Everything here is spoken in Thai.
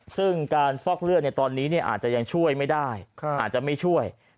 ซึ่งการฟอกเลือดในตอนนี้อาจจะยังช่วยไม่ได้อาจจะไม่ช่วย